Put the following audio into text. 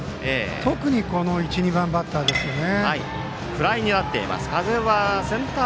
特にこの１、２番バッターですよね。